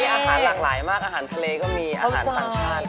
อาหารหลากหลายมากอาหารทะเลก็มีอาหารต่างชาติ